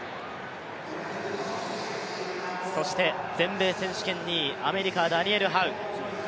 全米選手権２位、アメリカ、ダニエル・ハウ。